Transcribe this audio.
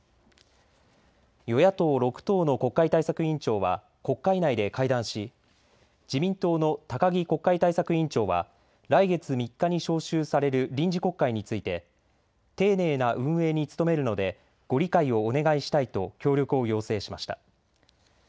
与野党６党の国会対策委員長は国会内で会談し自民党の高木国会対策委員長は来月３日に召集される臨時国会について丁寧な運営に努めるのでご理解をお願いしたいと協力を要請しました。